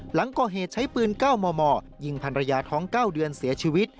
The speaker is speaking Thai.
หลังก่อเหตุใช้ปืน๙มมยิงพันรยาท้อง๙เดือนเสียชีวิต